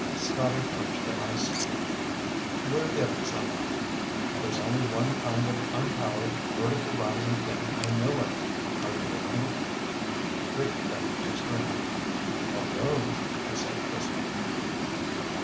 Scotty crunched an ice cube. "We're getting somewhere. There's only one kind of unpowered, vertical rising thing I know of. Are you with me?" Rick finished his drink. "Balloon," he said crisply.